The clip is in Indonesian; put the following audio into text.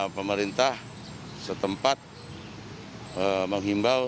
pemerintah setempat menghimbau